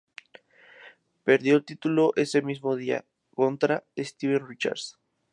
Perdió el título ese mismo día contra Steven Richards.